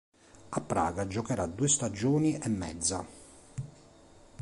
A Praga giocherà due stagioni e mezza.